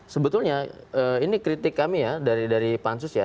sebetulnya ini kritik kami ya dari pansus ya